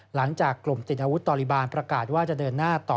หลังจากกลุ่มติดอาวุธตอลิบาลประกาศว่าจะเดินหน้าต่อ